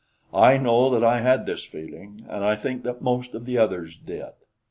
I know that I had this feeling, and I think that most of the others did.